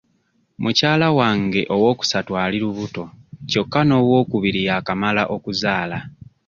Mukyala wange owookusatu ali lubuto kyokka n'owookubiri yakamala okuzaala.